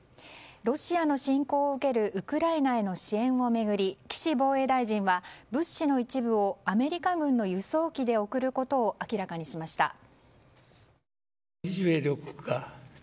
ロシアの侵攻を受けるウクライナへの支援を巡り岸防衛大臣は物資の一部をアメリカ軍の輸送機で送ることを明らかにしました。